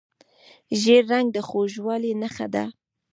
ژیړ رنګ د خوږوالي نښه ده.